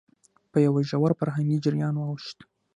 په يوه ژور فرهنګي جريان واوښت،